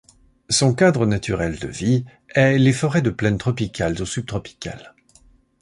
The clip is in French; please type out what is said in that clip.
Son cadre naturel de vie est les forêts de plaines tropicales ou subtropicales.